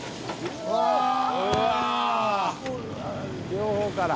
両方から？